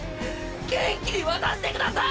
元気に渡してください！！